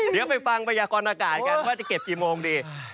เดี๋ยวไปฟังพยากรอากาศกันว่าจะเก็บกี่โมงดี